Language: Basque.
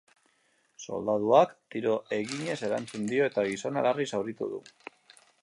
Soldaduak tiro eginez erantzun dio, eta gizona larri zauritu du.